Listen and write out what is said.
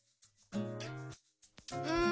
うん。